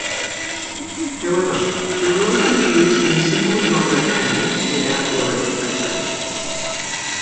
However, the rules can be used in single-genre games without the elaborate background.